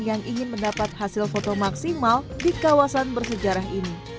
yang ingin mendapat hasil foto maksimal di kawasan bersejarah ini